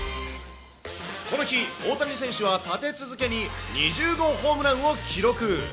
この日、大谷選手は立て続けに２０号ホームランを記録。